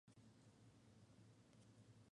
Los estudios de Merckx "et al.